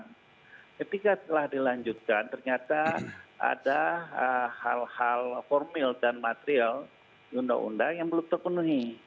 ketika telah dilanjutkan ternyata ada hal hal formil dan material undang undang yang belum terpenuhi